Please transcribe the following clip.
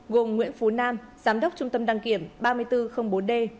gồm nguyễn phú nam giám đốc trung tâm đăng kiểm ba nghìn bốn trăm linh bốn d